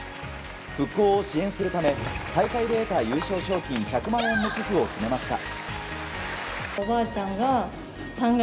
復興を支援するため大会で得た優勝賞金１００万円の寄付を決めました。